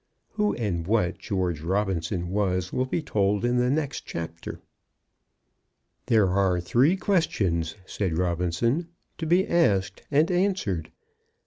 Who and what George Robinson was will be told in the next chapter. "There are three questions," said Robinson, "to be asked and answered.